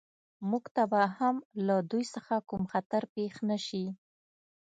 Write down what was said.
موږ ته به هم له دوی څخه کوم خطر پېښ نه شي